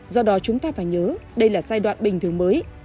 do đó chúng ta phải nhớ đây là giai đoạn bình thường mới